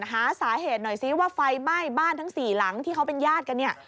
หาสาเหตุหน่อยซิว่าไฟไหม้บ้านทั้ง๔หลังที่เขาเป็นญาติกันเนี่ย